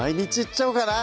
ちゃおうかな！